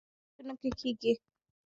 لیمو په ختیځو ولایتونو کې کیږي.